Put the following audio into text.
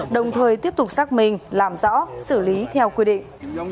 đồng thời tiếp tục xác minh làm rõ xử lý theo quy định